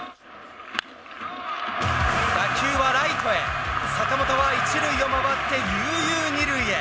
打球はライトへ、坂本は１塁を回って、ゆうゆう２塁へ。